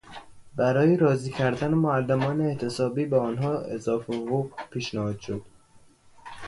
برای راضی کردن معلمان اعتصابی به آنها اضافه حقوق پیشنهاد شد.